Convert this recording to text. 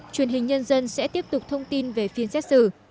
truyền hình nhân dân sẽ tiếp tục thông tin về phiên xét xử